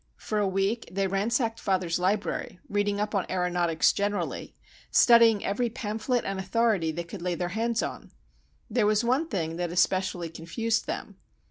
For a week they ransacked father's library, reading up on aëronautics generally, studying every pamphlet and authority they could lay their hands on. There was one thing that especially confused them.